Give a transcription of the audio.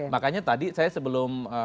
makanya tadi saya sebelum